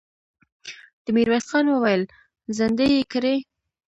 ميرويس خان وويل: زندۍ يې کړئ!